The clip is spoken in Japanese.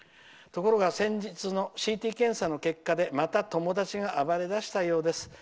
ところが先日のＣＴ検査の結果でまた友達が暴れだしたようです。